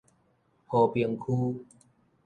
和平區